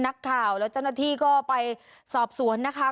นักข่าวแล้วเจ้าหน้าที่ก็ไปสอบสวนนะคะ